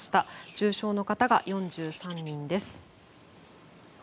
重症の方が４３人です。